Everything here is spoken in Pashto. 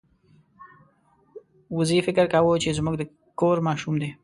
وزې فکر کاوه چې زموږ د کور ماشوم دی.